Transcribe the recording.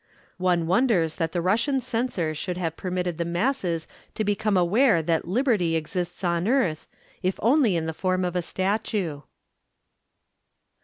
One wonders that the Russian censor should have permitted the masses to become aware that Liberty exists on earth, if only in the form of a statue.